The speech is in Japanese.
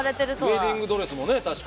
ウエディングドレスもね確か。